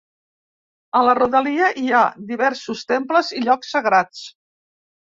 A la rodalia hi ha diversos temples i llocs sagrats.